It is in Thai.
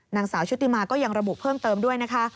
ชุติมาก็ยังระบุเพิ่มเติมด้วยนะคะ